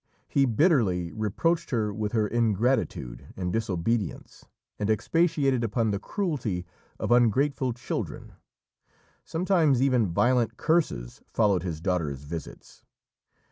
He bitterly reproached her with her ingratitude and disobedience, and expatiated upon the cruelty of ungrateful children. Sometimes even violent curses followed his daughter's visits.